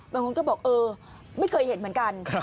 บางคนก็บอกเออไม่เคยเห็นเหมือนกัน